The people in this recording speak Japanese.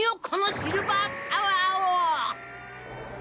このシルバーパワーを！